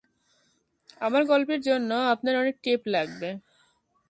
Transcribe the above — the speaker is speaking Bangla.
আমার গল্পের জন্য আপনার অনেক টেপ লাগবে।